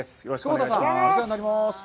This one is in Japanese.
窪田さん、お世話になります。